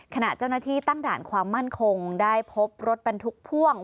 ขณะเจ้าหน้าที่ตั้งด่านความมั่นคงได้พบรถบรรทุกพ่วง